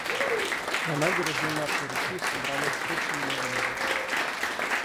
На набережной нашей реки собралось очень много народу.